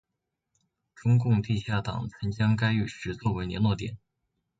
中共地下党曾将该浴池作为联络点。